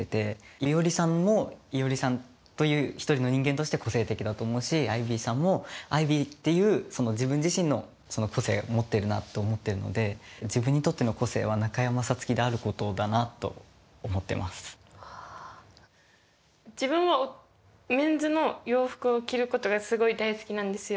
いおりさんもいおりさんという一人の人間として個性的だと思うしアイビーさんもアイビーっていう自分自身の個性持ってるなと思ってるので自分はメンズの洋服を着ることがすごい大好きなんですよ。